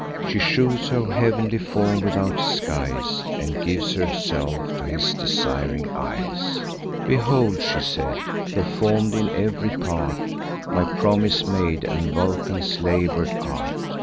She shews her heav'nly form without disguise, And gives herself to his desiring eyes. "Behold," she said, "perform'd in ev'ry part, My promise made, and Vulcan's labour'd art.